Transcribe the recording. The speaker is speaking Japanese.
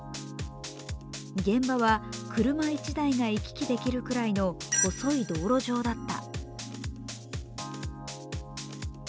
現場は車１台が行き来できるぐらいの細い道路上だった。